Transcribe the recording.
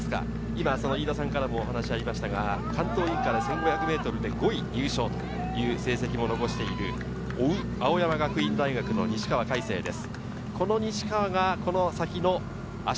飯田さんからもお話がありましたが、関東インカレ１５００ｍで５位入賞という成績も残している、追う青山学院大学の西川魁星です。